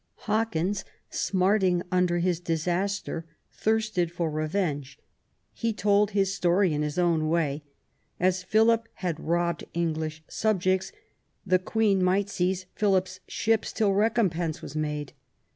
Hawkins, smarting under his disaster, thirsted for revenge. He told his story in his own way: as Philip had robbed English subjects, the Queen might seize Philip's ships till recompense was made.